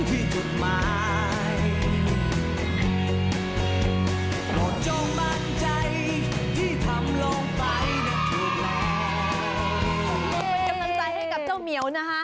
กำลังใจให้กับเจ้าเหมียวนะคะ